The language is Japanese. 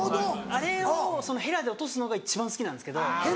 あれをヘラで落とすのが一番好きなんですけど。